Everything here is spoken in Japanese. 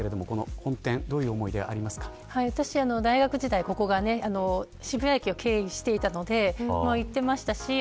本店、どういう思い出が私、大学時代、ここが渋谷駅を経由していたので行ってましたし。